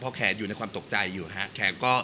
เหลือรู้สึกว่ามันทำให้แบบ